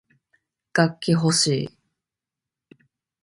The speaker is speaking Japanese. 楽器ほしい